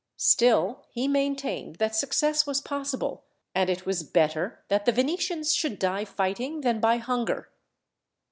Still, he maintained that success was possible, and it was better that the Venetians should die fighting than by hunger.